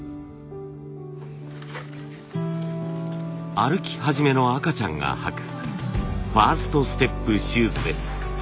歩き始めの赤ちゃんが履くファーストステップシューズです。